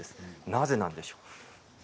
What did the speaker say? なぜなんでしょう？